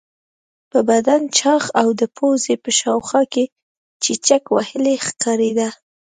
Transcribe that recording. په بدن چاغ او د پوزې په شاوخوا کې چیچک وهلی ښکارېده.